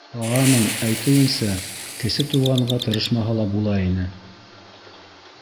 Кааның әйтеүенсә, Кесе Туғанға тырышмаһа ла була ине.